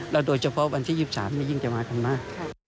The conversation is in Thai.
โดยเฉพาะวันที่๒๓นี่ยิ่งจะมากันมาก